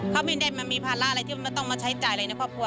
เขาไม่ได้มามีภาระอะไรที่มันต้องมาใช้จ่ายอะไรในครอบครัว